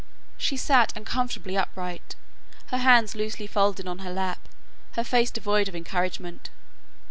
She sat uncomfortably upright, her hands loosely folded on her lap, her face devoid of encouragement.